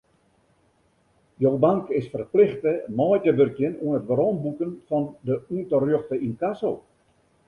Jo bank is ferplichte mei te wurkjen oan it weromboeken fan de ûnterjochte ynkasso.